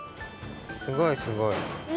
すごいすごい！